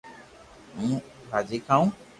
ھون ڀاجي کاوُ